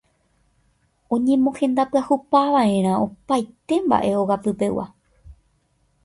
oñemohendapyahupava'erã opaite mba'e ogapypegua